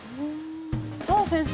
◆さあ先生、